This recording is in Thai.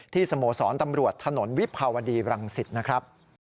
สโมสรตำรวจถนนวิภาวดีรังสิตนะครับ